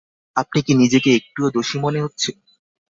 আপনি কি নিজেকে একটুও দোষী মনে হচ্ছে?